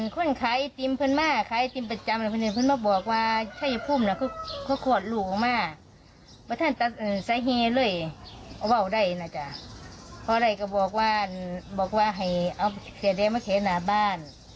ด้วยการเอาเสื้อสีแดงมาแขวนไว้หน้าบ้าน